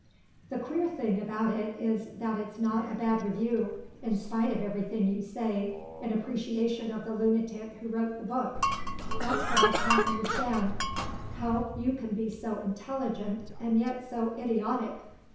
"The queer thing about it is that it's not a bad review, in spite of everything you say in appreciation of the lunatic who wrote the book. That's what I can't understand; how you can be so intelligent and yet so idiotic.